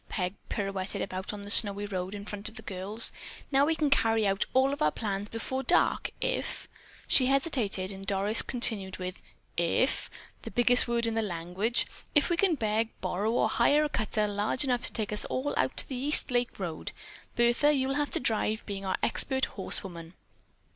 Peg pirouetted about on the snowy road in front of the girls. "Now we can carry out all of our plans before dark, if——" She hesitated and Doris continued with: "'If'—the biggest word in the language. If we can beg, borrow or hire a cutter large enough to take us all out the East Lake Road. Bertha, you'll have to drive, being our expert horsewoman."